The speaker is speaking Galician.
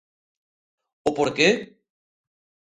O por que?